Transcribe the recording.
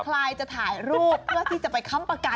ใครจะถ่ายรูปเพื่อที่จะไปค้ำประกัน